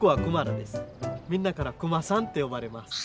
みんなからクマさんって呼ばれます。